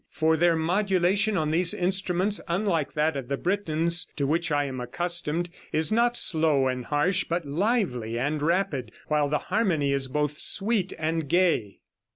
For their modulation on these instruments, unlike that of the Britons, to which I am accustomed, is not slow and harsh, but lively and rapid, while the harmony is both sweet and gay.